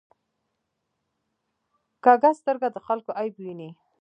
کوږه سترګه د خلکو عیب ویني